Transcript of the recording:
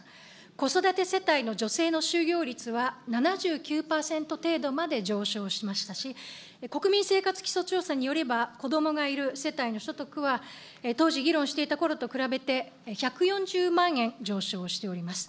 子育て世帯の女性の就業率は、７９％程度まで上昇しましたし、国民生活基礎調査によれば、こどもがいる世帯の所得は当時議論していたころと比べて、１４０万円上昇しております。